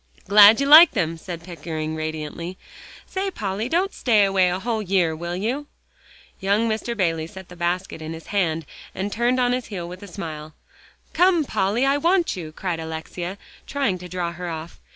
"Glad you like them," said Pickering radiantly. "Say, Polly, don't stay away a whole year, will you?" Young Mr. Bayley set the basket in his hand and turned on his heel with a smile. "Come, Polly, I want you," cried Alexia, trying to draw her off.